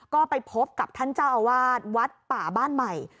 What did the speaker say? ก็ไปพบกับท่านเจ้าอาวาสวัดป่าบ้านใหม่